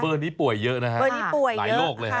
เบอร์นี้ป่วยเยอะนะครับหลายโรคเลยครับ